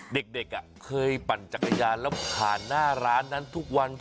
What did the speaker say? เด็กเคยปั่นจักรยานแล้วผ่านหน้าร้านนั้นทุกวัน